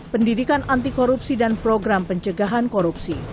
pendidikan anti korupsi dan program pencegahan korupsi